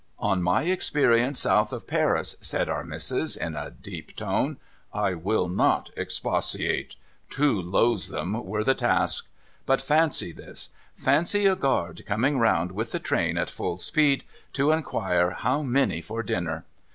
456 MUGBY JUNCTION ' On my experience south of Paris,' said Our Missis, in a deep tone, ' I will not expatiate. Too loathsome were the task ! But fancy this. Fancy a guard coming round, with the train at full speed, to inquire how many for dinner.